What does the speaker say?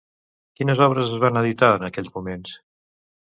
Quines obres es van editar en aquells moments?